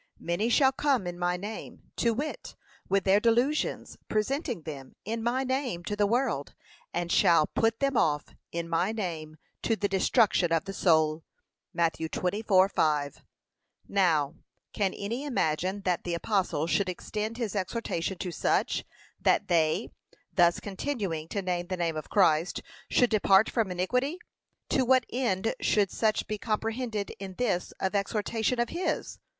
'Many shall come in my name, to wit, with their delusions, presenting them, in my name, to the world, and shall put them off, in my name, to the destruction of the soul. (Matt. 24:5) Now, can any imagine that the apostle should extend his exhortation to such, that they, thus continuing to name the name of Christ, should depart from iniquity. To what end should such be comprehended in this of exhortation of his?